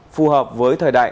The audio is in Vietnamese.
phù hợp với thời đại